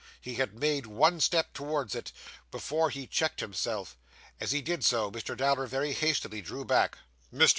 He had made one step towards it, before he checked himself. As he did so, Mr. Dowler very hastily drew back. 'Mr.